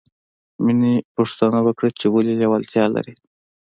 مینې پوښتنه وکړه چې ولې لېوالتیا لرې